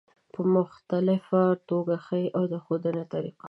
په مختلفه توګه ښي او د ښودنې طریقه